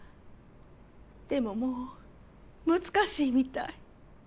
でももう難しいみたい。